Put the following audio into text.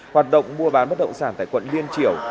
hoạt động mua bán bất động sản tại quận liên triểu